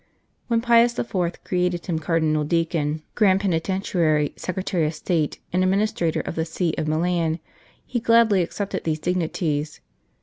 When Pius IV. created him Cardinal Deacon, Grand Penitentiary, Secretary of State, and Administrator of the See of Milan, he gladly accepted these dignities.